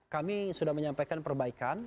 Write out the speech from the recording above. kami sudah menyampaikan perbaikan